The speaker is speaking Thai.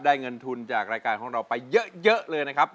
เงินทุนจากรายการของเราไปเยอะเลยนะครับ